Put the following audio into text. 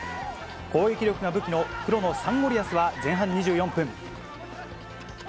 攻撃力が武器の黒のサンゴリアスは前半２４分。